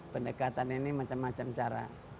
pendekatan ini macam macam cara